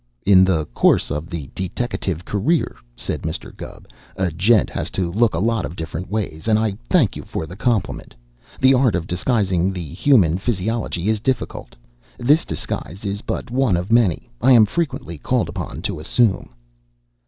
"In the course of the deteckative career," said Mr. Gubb, "a gent has to look a lot of different ways, and I thank you for the compliment. The art of disguising the human physiology is difficult. This disguise is but one of many I am frequently called upon to assume."